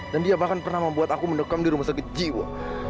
dan dia bahkan pernah membuat aku mendekam di rumah sakit jiwa